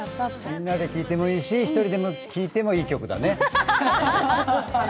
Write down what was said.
みんなで聴いてもいいし、１人で聴いてもいい曲だね。